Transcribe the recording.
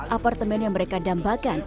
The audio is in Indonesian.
apartemen yang mereka dambakan